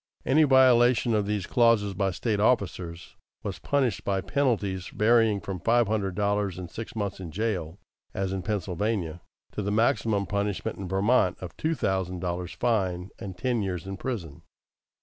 Any violation of these clauses by State officers was punished by penalties varying from five hundred dollars and six months in jail, as in Pennsylvania, to the maximum punishment in Vermont, of two thousand dollars' fine and ten years in prison.